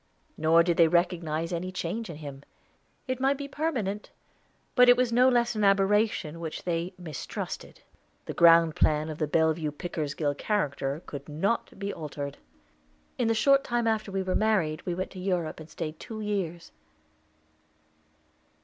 Nor did they recognize any change in him. It might be permanent, but it was no less an aberration which they mistrusted. The ground plan of the Bellevue Pickersgill character could not be altered. In a short time after we were married we went to Europe and stayed two years.